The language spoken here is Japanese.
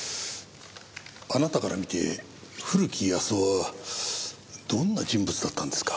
あなたから見て古木保男はどんな人物だったんですか？